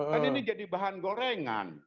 kan ini jadi bahan gorengan